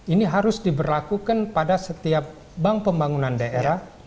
ini harus diberlakukan pada setiap bank pembangunan daerah